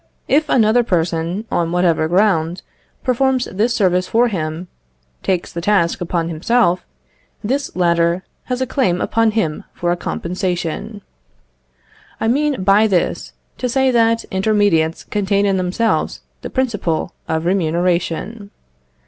If another person, on whatever ground, performs this service for him, takes the task upon himself, this latter has a claim upon him for a compensation. I mean by this to say that intermediates contain in themselves the principle of remuneration.